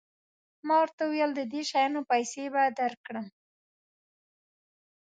ما ورته وویل د دې شیانو پیسې به درکړم.